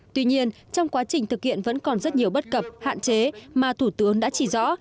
tuy nhiên trong quá trình thực hiện vẫn còn rất nhiều bất cập hạn chế mà thủ tướng đã chỉ rõ